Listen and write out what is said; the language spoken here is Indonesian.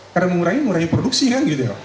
karena mengurangi mengurangi produksi kan gitu ya